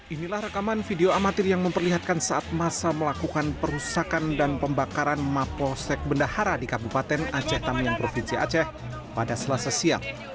inilah rekaman video amatir yang memperlihatkan saat masa melakukan perusakan dan pembakaran mapolsek bendahara di kabupaten aceh tamiang provinsi aceh pada selasa siang